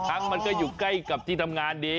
มันก็อยู่ใกล้กับที่ทำงานดี